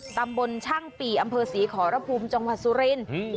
ตำบลช่างปีอำเภอศรีขอรภูมิจังหวัดสุรินทร์